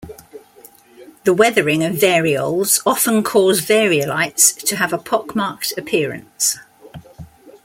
The weathering of varioles often cause variolites to have a pock-marked appearance.